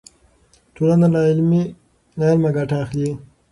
ټولنه له علمه ګټه اخلي.